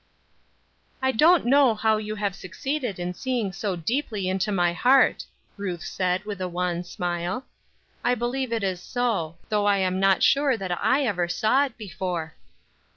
"I don't know how you have succeeded in seeing so deeply into my heart," Ruth said, with a wan smile. "I believe it is so, though I am not sure that I ever saw it before."